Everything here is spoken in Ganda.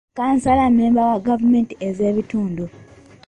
Kkansala mmemba wa gavumenti ez'ebitundu.